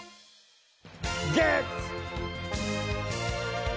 ゲッツ！